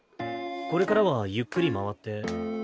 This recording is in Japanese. これからはゆっくり回って。